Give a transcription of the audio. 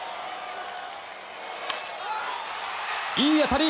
いい当たり！